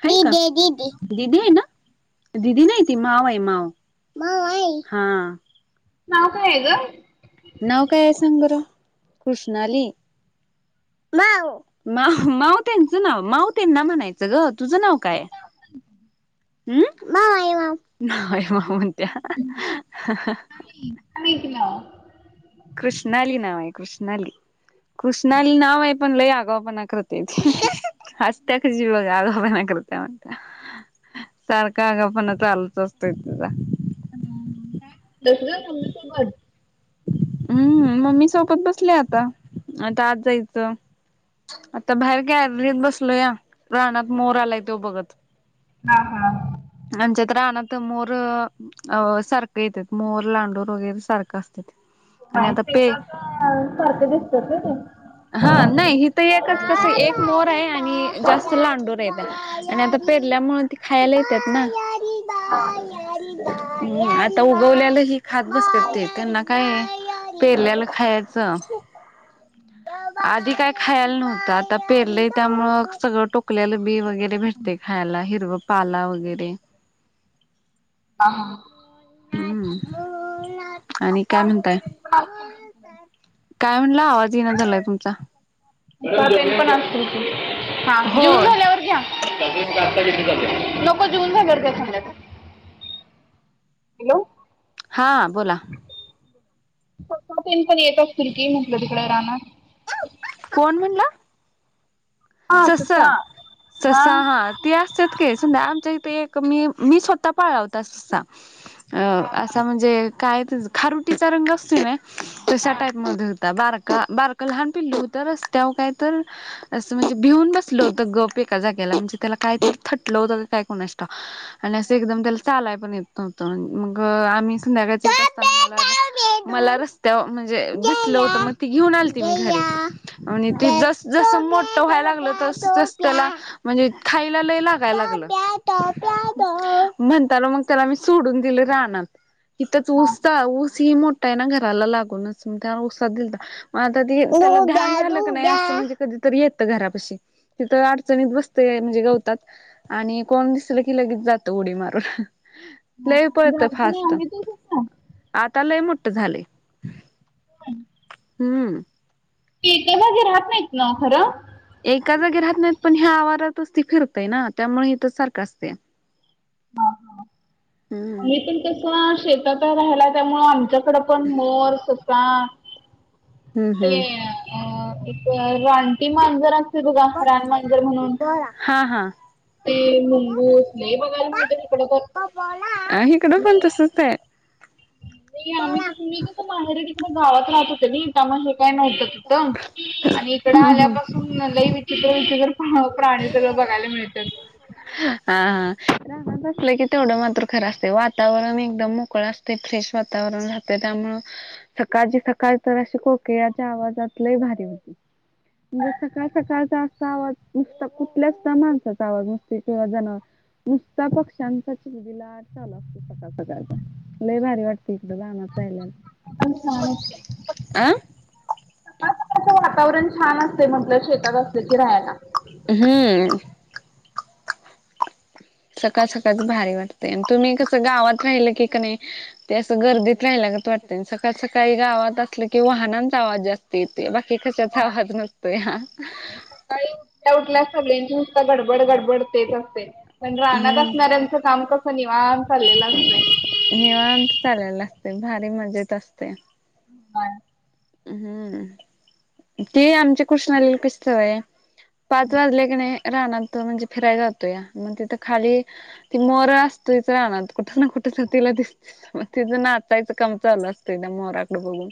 [unintelligible] दिदी आहे ना दिदी नाही ती माव आहे हा. नाव काय आहे गं? नाव काय आहे सांग बरं कृष्णाली. माव त्यांचं नाव माऊ त्यांना म्हणाय चगं तुझं नाव काय उम्म. [unintelligible] म्हणत्या ऐक ना. कृष्णाली नाव आहे कृष्णाली कृष्णाली नाव आहे. पण लय आगाऊपणा कर ती ते हसते कशी आगाऊपणा करते बघा म्हंटल्यावर. सारखा आगाऊपणा चालूच असतोय तिचा. [unintelligible] हम्म. मम्मी सोबत बसले आता आत जायचं. आता बाहेर गॅलरीत बसलोया रानात मोर आलाय तो बघत. हा. हा. आमच्या तर रानात मोर अ सारखं येतात मोर लांडूर वगैरे सारखं असतात. [unintelligible] आणि आता सारखे पे दिसतात नाही ते. हा नाही हि तर एकच कस एक मोर आहे आणि जास्त लांडूर आहेत. आणि आता पेरल्यामुळे त खायला येतात ना. हा. हम्म. आता उगवल्याला ही खात बसतय त्यांना काय पेरल्याला खायचं. आधी काही खायला नव्हतं आता पेरलंय त्या मूळ सगळं टोकल्याला बी वगैरे भेटते खायला हिरवं पाला वगैरे. ह हा हा. हम्म. आणि काय म्हणताय [unintelligible] काय म्हणला आवाज येना झालाय तुमचा. हो जेऊन झाल्यावर घ्या. नको जेवण झाल्यावर द्या संध्याकाळी. हॅलो. हा बोला [unintelligible] पण येत असतील की म्हटलं तिकडे रानात. कोण म्हणलं? हा सुद्धा ससं ससा हा. ती असतात का समजा आमच्या इथे एक मी मी स्वतः पाळला होता ससा. अ असा म्हणजे काय खारुटीचा रंग असतोय नाही. तशा टाईप मध्ये होता बारका बारका लहान पिल्लू होतं रस्त्यावर काय तर? म्हणजे भिऊन बसलं होतं गप एका जागेला म्हणजे त्याला कायतरी थटलं होतं का काय कुणास ठाऊक? आणि असं एकदम त्याला चालय पण येत होत मग आम्ही संध्याकाळच मला रस्त्यावर म्हणजे दिसलं होतं मग ते घेऊन आलते घरी आणि ते जसजसं मोठ व्हाय लागलं तसस त्याला म्हणजे खायला लय लागायला लागलं. म्हणतान मग त्याला मी सोडून दिलं रानात इथंच ऊसता हा ऊस ही मोठा आहे ना घराला लागूनच त्याना ऊसा दिलता मग आता [unintelligible] त म्हणजे कधी तरी येतं घरापाशी तिथं अडचणीत बसते म्हणजे गवतात. आणि कोण दिसल की लगेच जातं उडी मारून लय म्हणजे पळतंय अजूनही फास्ट आहेत तसं आता लय मोठं झालंय. हंम्म हम्म ते एका जागी रहात नाहीत ना खरं? एका जागी राहत नाहीत, पण ह्या आवारातच ते फिरतय ना त्यामुळं इथंच सारखं असतया. हा हा. हम्म आम्ही पण कस शेतात राहिला त्यामुळं आमच्या तिकडं पण मोर, ससा हम्म ते हम्म अ एक रानटी मांजर अस ते बघा रान मांजर म्हणून हा हा ते मुंगूस लई बघायला मिळत तिकडं पण. हा हिकडं पण तसंच हाय. मी आम्ही तुम्ही तसं बाहेर तिकडे गावात राहत होते मी त्यामुळं हे काय नव्हतं तिथं आणि इकडं हम्म आल्यापासून लई विचित्र विचित्र प्राणी सगळं बघायला मिळत्यात. आ हा रानात असलं की तेवढं मात्र खरं असते वातावरण एकदम मोकळा अस ते फ्रेश वातावरण राहतंय त्यामुळं सकाळची सकाळ तर अशी कोकिळाच्या आवाजात लय भारी होती. म्हणजे सकाळ सकाळचा असा आवाज नुसतं कुठल्याच काय माणसांचा आवाज नसतोय किंवा जनावर नुसता पक्ष्यांचा किलबिलाट चालू सकाळ सकाळचा लई भारी वाटत तिकडं रानात राहिल्याल. पण छान आ? हा सकाळचं वातावरण छान असतंय म्हटलं शेतात असलं की राहायला. हम्म. सकाळ सकाळच भारी वाटते आणि तुम्ही कसं गावात राहिलं की क नाय ते असं गर्दीत राह्यल्यागत वाटतंय आणि सकाळी सकाळी गावात असलं कि वाहनांचा आवाज जास्त येतंय येतंय बाकी कशाचा होय आवाज नसतोया. सकाळी उठल्या उठल्या सगळ्यांची नुसतं गडबड गडबड तेच असते. पण रानात असणाऱ्यांचं काम कसं निवांत चाललं हम्म. निवांत चाललेलं असतंय, भारी मजेत असतंय. काय? हम्म, ते आमच्या कृष्णाला कशी‌ सवय आहे पाच वाजले का नाय रानात म्हणजे फिराय जातो या मंग तिथं खाली ती मोर असतोयच रानात. कुठं ना कुठं तिला दिसतोय. मग तेच नाचायचं काम चालू असतंय त्या मोराकडं बघून.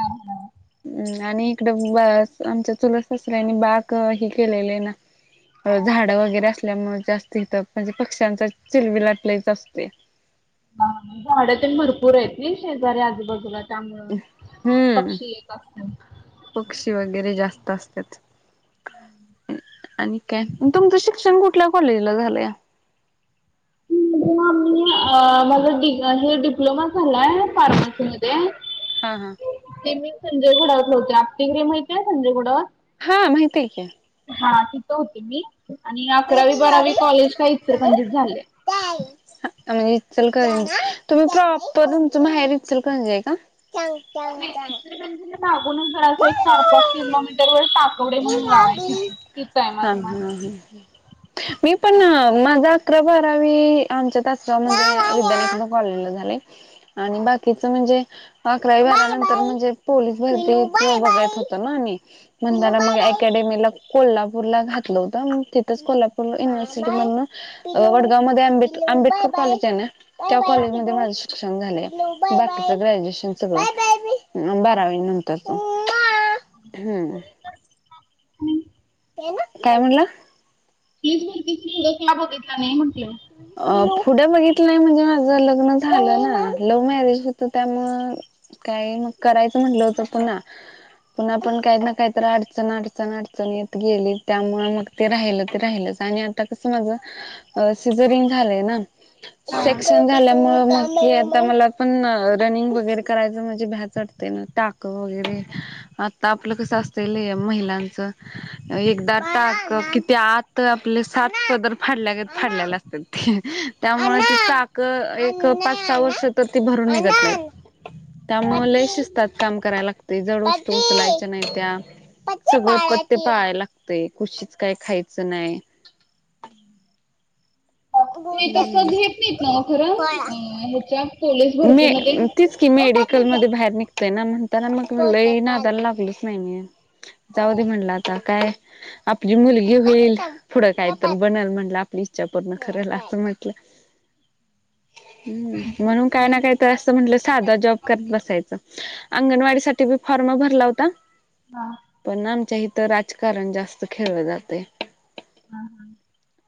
हा हा. हम्म आणि इकडं बाळास आमच्या चुलत ससर्‍यानी बाळक हे केलेले आहे ना. झाड वगैरे असल्यामुळे जास्त इथं म्हणजे पक्ष्यांचा चिल बिलाट लईच असतोय. हा झाडं तेन भरपूर आहेत नई शेजारी आजूबाजूला. त्यामुळं हम्म पक्षी येत असतील. पक्षी वगैरे जास्त असत्यात. आणि काय तुमचं शिक्षण कुठल्या कॉलेजला झालंया? [unintelligible] अ माझं डी हे डिप्लोमा झालाय फार्मसी मध्ये. हा हा. ते मी संजय घोडावतला‌ होते. आपल्या इथं माहिती आहे संजय घोडावत? हा माहीतेय की. हा तिथं होती मी आणि अकरावी बारावी कॉलेज काय इचलकरंजीत झालंय. [unintelligible] अ अ इचल करंजी तुम्ही प्रॉपर तुमचं माहेर इचल करंजी आहे का? पण नाही चांग इचलकरंजीला लागूनच जरासं एक चार पाच किलोमीटर वर टाकवडे म्हणून गाव आहे, तिथं तिथं आहे माझं माहेर. हम्म [unintelligible] मी पण माझा अकरा बारावी आमच्या तासवा म विद्यालया कॉलेज झालंय‌. आणि बाकीच म्हणजे, अकरावी बारावी झाल्यानंतर म्हणजे पोलीस भरती ते बघायच होत ना आणि त्याला मग अकॅडेमीला कोल्हापूरला घातलं होतं. तिथंच कोल्हापूर युनिव्हर्सिटी मधन वडगाव मध्ये आंबे-आंबेडकर कॉलेज आहे ना? त्या कॉलेज मध्ये माझं शिक्षण झालंय बाकीच ग्रॅज्युएशन सगळं. बारावी नंतरच हम्म. हम् काय म्हणला? [unintelligible] भरतीच [unintelligible] बघितला नाही म्हंटलं. अ पुढे बघितलं नाही म्हणजे, माझं लग्न झालं ना लव्ह मॅरेज होतं त्यामुळे काही मग करायचं म्हटलं होतं पुन्हा. पुन्ह पण काही ना काहीतर अडचण अडचण अडचण येत गेली त्यामुळे मग ते राहिलं ते राहिलच आणि आता कसं माझ अ [unintelligible] सेक्शन झाल्यामुळे मग की आता मला पण रनिंग वगैरे करायचं म्हणझी भ्याच वाटतय टाक वगैरे. आता आपलं कसं असतल महिलांचं एकदा टाकं किती आत आपले सात पदर फाडल्यागत फाडलेल असतय. त्यामुळे चाक एक पाच सहा वर्ष तर भरून निघत नाही. त्यामुळे लय शिस्तात काम करायला लागते जडत वस्तू उचलायच्या नाही त्या. सगळे पथ्ये पाळायला लागते कुशीच काय खायचं नाही. ती तस गोंद घेत नाहीत ना खर अ ह्याच्या पोलीस मी भरतीमध्ये. तिचं की मेडिकल मध्ये बाहेर निघतय ना म्हणताना मग लई नादायला लागलच नाही मी. जाऊदे म्हणलं आता काय? आपली मुलगी होईल पुढं कायतर बनल म्हटलं आपली इच्छा पूर्ण करेल असं म्हटलं. हंम्म. म्हणू तर अस म्हटल साधा जॉब करत बसायच, अंगणवाडी साठी फॉर्म भरला होता. हा पण आमच्या इथं राजकारण जास्त खेळलं जातय. हा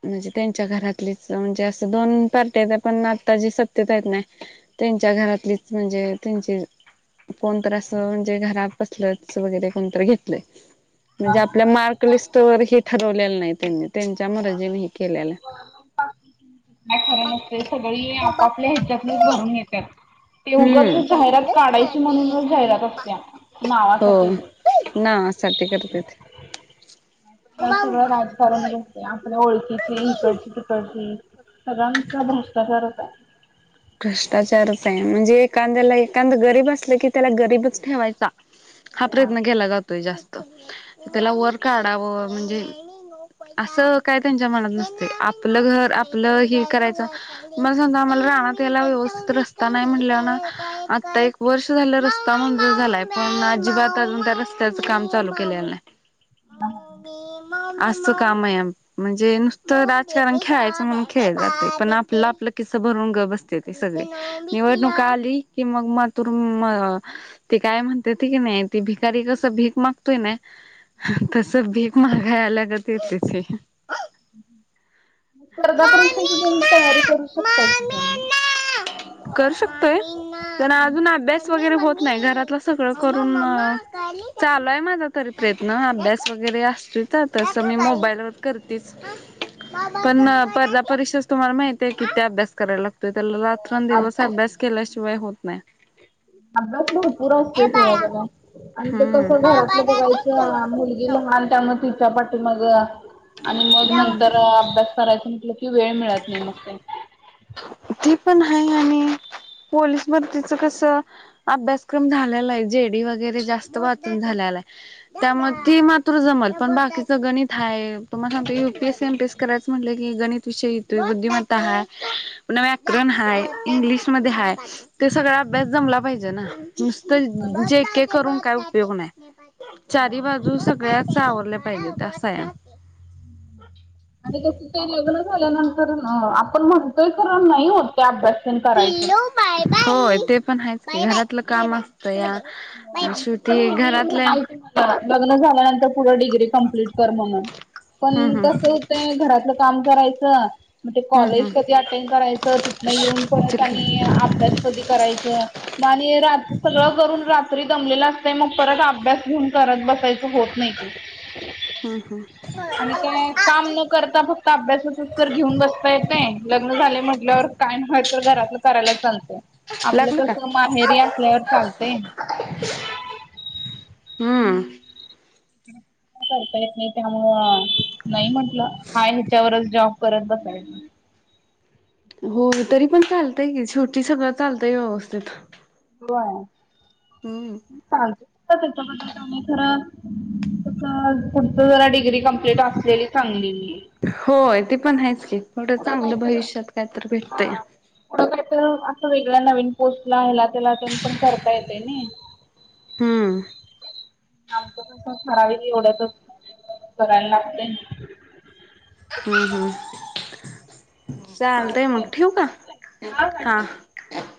म्हणजे त्यांच्या घरातलीच म्हणजे असं दोन पार्टी पण आत्ताजी सत्तेत आहेत ना. त्यांच्या घरातलीच म्हणजे त्यांची कोण तर असं म्हणजे घरा पसलच वगैरे कोणतरी घेतलंय? हा म्हणजे हा. आपल्या मार्क लिस्ट काय व हे ठरवलेलं नाही त्यांनी त्यांच्या मजीने हे केलेलं आहे. [inaudible] काय खरं नसतय सगळी आपापल्या हिच्यातीलच भरून घेतत्यात. हम्म म्हणूनच जाहिरात असत्या हो. नावासाठी नावा साठी करतेत. उबा सगळं उबा राजकारणच असते. आपल्या ओळखीचे इकडची तिकडची सगळांचा भ्रष्टाचार होता. भ्रष्टाचारच आहे म्हणजे, एखाद्याला एखाद गरीब असलं की त्याला गरीबच ठेवायचा. हा प्रयत्न केला जातोय जास्त त्याला वर काढाव म्हणजे? असं काय त्यांच्या मनात नसते आपलं घर आपलं हे करायचं. मला [unintelligible] मला रानात त्याला व्यवस्थित रस्ता नाही म्हणल्या ना, आता एक वर्ष झालं रस्ता मंजूर झालाय. पण अजिबात अजून त्या रस्त्याच काम चालू केलेलं नाही. हा [unintelligible] असं काम आहे आम म्हणजे नुसतं राजकारण खेळायचं म्हणून खेळ जाते पण आपलं आपलं खिस्स भरून गप बस तेथे सगळे निवडणूक आली कि मग म तुर म ती काय म्हणते होती की नाही ती भिकारी कसं भीक माग त नाही तस भीक महागाय आल्या आहेत लागतच स्पर्धा परीक्षा ची तरी तयारी करू शकताय की तुम्ही? करू शकतोय त्यांना अजून अभ्यास वगैरे होत नाही घरातच सगळं करून चालूय माझा तरी प्रयत्न अभ्यास वगैरे असतच तसं मी मोबाईलवर करतेच. पण ना पर्धा परीक्षाच तुम्हाला माहितय किती अभ्यास कराय लाग त्याला रात्रण दिवस अभ्यास केल्याशिवाय होत नाय. अभ्यास भरपूर असतय बाळा [unintelligible] आणि ते हम्म कसं बाबा घरातलं जाते बघायचं आ मुली संग गेलं माणता मग तिच्या पाठीमाग आणि मग हम्म नंतर अभ्यास करायच म्हटलं की कि वेळ मिळत नाही मग ते. ती पण आहे आणि पोलीस भरती चा कसं अभ्यासक्रम झालेला आहे जे डी वगैरे जास्त वाचून झालेला आहे. त्यामुळे ती मात्र जमल पण बाकीचं गणित थाय तुम्हा सांगतोय U P S C M P S करायचं म्हटलं की गणित विषये बुद्धिमत्ता हाय. पुन्हा व्याकरण हाय इंग्लिशमध्ये हाय ते सगळा अभ्यास जमला पाहिजे ना. नुसतं जे के करून काय उपयोग नाही चारी बाजू सगळ्याच सावरल्या पाहिजे तसं हाय. आणि तसं ते लग्न झाल्यानंतर आपण म्हणतोय करण नाही होत त्या अभ्यास. तेन करायचं. होय ते पण हायच की घरातलं कामं तया आन शेवटी घरातल्या हा लग्न झाल्यानंतर पुढे डिग्री कंप्लीट कर म्हणून पण हम्म हम्म कसं ते घरातलं काम करायचं. ते हम्म कॉलेज कधी हम्म अटेंड करायचं तिथन येऊन परत चल की आणि अभ्यास कधी करायच नाणी सगळं करून रात्री दमलेलं असतय मग परत अभ्यास घेऊन करत बसायचं होत नाही ते. अ हं आणि काय काम न करता फक्त अभ्यासाचच तर घेऊन बसता येत नाय लग्न झाले म्हटल्यावर. काय न हाय तर घरातलं करायला चालतं आपलं लागलं का तसं माहेरी असल्यावर चालते. हम्म. [unintelligible] करतायेत नाही त्यामुळं नाही म्हंटलं हाय ह्याच्यावरच जॉब करत बसायच. होयतरी पण चालतय की शेवटी सगळं चालतय व्यवस्थीत सूरु हाय. हम्म. चालते. [unintelligible] [unintelligible] खरं [unintelligible] जरा डिग्री कंप्लीट असलेली चांगली. होय ते पण आहेच की पुढ पुढं चांगलं काहीतर भविष्यात काय तर हा भेटतय. पुढं काय तर असा वेगळ्या नवीन पोस्ट ला हला त्याला तेन पण करता येते नय. हम्म. आमच कस ठराविक एवढ्यातच करावं लागतय. हम्म हम्म चालतय मग चालतंय ठेऊ का हा. आहे.